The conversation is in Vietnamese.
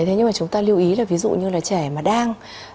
thế nhưng mà chúng ta lưu ý là ví dụ như là trẻ mà đang